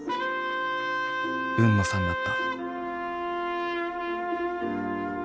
海野さんだった。